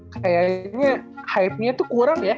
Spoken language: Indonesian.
kayaknya hype nya tuh kurang ya